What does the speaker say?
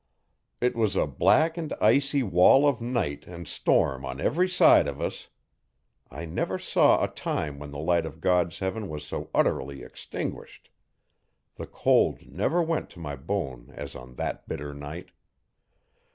It was a black and icy wall of night and storm on every side of us. I never saw a time when the light of God's heaven was so utterly extinguished; the cold never went to my bone as on that bitter night.